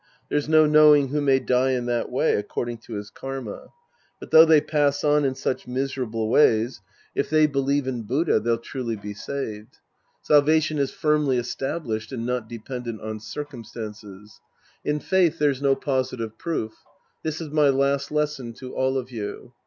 There's no laiowing who may die in that way according to his karma. But though they pass on in such miserable ways, if they believe 240 The Priest and His Disciples Act VI in Buddha, they'll truly be saved. Salvation is firmly established and not dependent on circumstances. In faith, there's no positive proof. This is my last lesson to all of you.